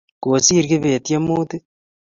kosir kibet tiemutik